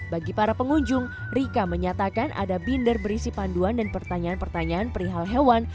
bagi para pengunjung rika menyatakan ada binder berisi panduan dan pertanyaan pertanyaan perihal hewan